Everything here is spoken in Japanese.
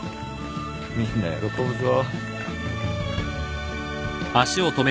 みんな喜ぶぞ。